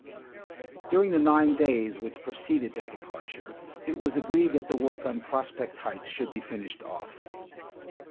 During the nine days which preceded their departure, it was agreed that the work on Prospect Heights should be finished off.